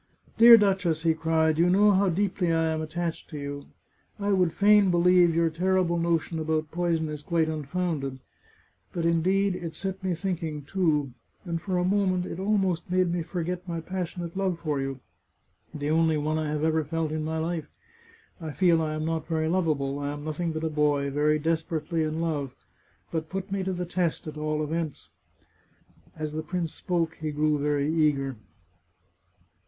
" Dear duchess," he cried, " you know how deeply I am attached to you. I would fain believe your terrible notion about poison is quite unfounded. But, indeed, it set me thinking, too, and for a moment it almost made me forget my passionate love for you, the only one I have ever felt in my life. I feel I am not very lovable ; I am nothing but a boy, very desperately in love. But put me to the test, at all events !" As the prince spoke he grew very eager.